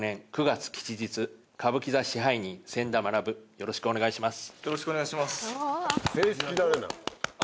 よろしくお願いします。